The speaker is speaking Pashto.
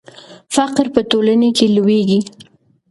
فقر په ټولنه کې لوړېږي.